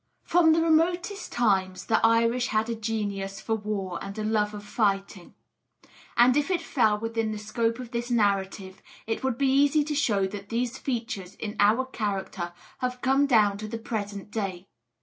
From the remotest times the Irish had a genius for war and a love of fighting; and if it fell within the scope of this narrative, it would be easy to show that these features in our character have come down to the present day.